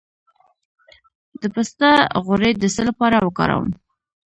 د پسته غوړي د څه لپاره وکاروم؟